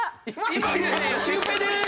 シュウペイでーす！